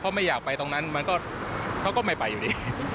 เขาไม่อยากไปตรงนั้นมันก็เขาก็ไม่ไปอยู่ดี